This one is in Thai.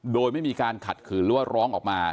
โดยไม่มีการขัดขืนหรือว่าร้องออกมา